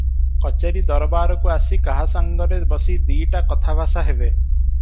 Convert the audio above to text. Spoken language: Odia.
କଚେରି ଦରବାରରୁ ଆସି କାହା ସାଙ୍ଗରେ ବସି ଦି'ଟା କଥାଭାଷା ହେବେ?